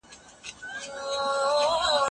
بخیلي مه کوئ.